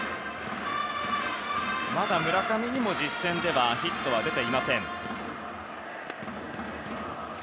まだ村上にも実戦ではヒットは出ていません。